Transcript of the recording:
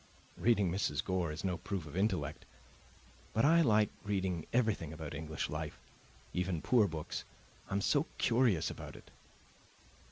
"Reading Mrs. Gore is no proof of intellect. But I like reading everything about English life even poor books. I am so curious about it."